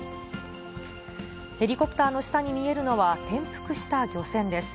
ヘリコプターの下に見えるのは、転覆した漁船です。